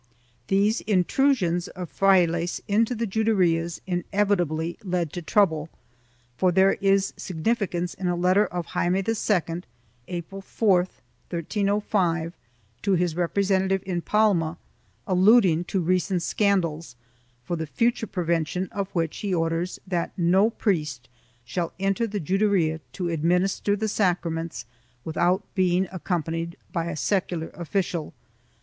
3 These intrusions of frailes into the Juderias inevitably led to trouble, for there is significance in a letter of Jaime II, April 4, 1305, to his representative in Palma, alluding to recent scandals, for the future prevention of which he orders that no priest shall enter the Juderia to administer the sacra ments without being accompanied by a secular official.